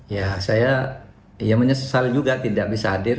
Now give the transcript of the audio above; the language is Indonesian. ya saya menyesal juga tidak bisa hadir